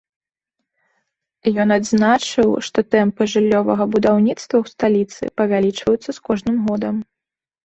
Ён адзначыў, што тэмпы жыллёвага будаўніцтва ў сталіцы павялічваюцца з кожным годам.